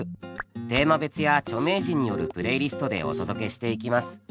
テーマ別や著名人によるプレイリストでお届けしていきます。